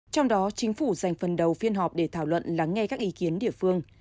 trong đó chính phủ dành phần đầu phiên họp để thảo luận lắng nghe các ý kiến địa phương